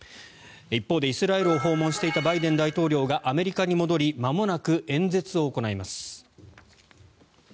一方でイスラエルを訪問していたバイデン大統領がアメリカに戻りまもなく演説を行います。